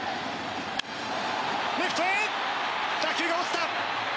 レフトへ打球が落ちた。